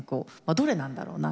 どれなんだろうなって。